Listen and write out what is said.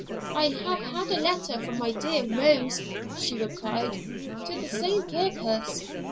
'I have had a letter from my dear Rose,' she replied, 'to the same purpose.